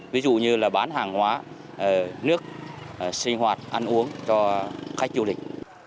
ví dụ như là bán hàng hóa nước sinh hoạt ăn uống cho khách du lịch